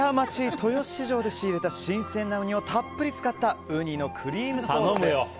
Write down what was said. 豊洲市場で仕入れた新鮮なウニをたっぷり使ったウニのクリームソースです。